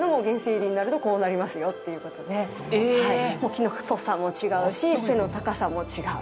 木の太さも違うし背の高さも違う。